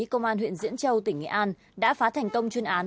công an huyện diễn châu tỉnh nghệ an đã phá thành công chuyên án